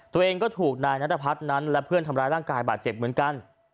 ตัวเองก็ถูกนายนัทพัฒน์นั้นและเพื่อนทำร้ายร่างกายบาดเจ็บเหมือนกัน